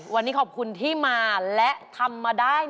วันนี้ขอบคุณที่มาและทำมาได้